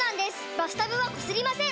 バスタブはこすりません！